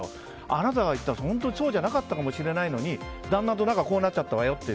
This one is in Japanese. あなたが言ったからって本当はそうじゃなかったかもしれないのに旦那と仲がこうなっちゃったわよって。